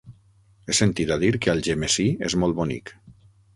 He sentit a dir que Algemesí és molt bonic.